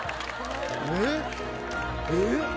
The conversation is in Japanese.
えっ？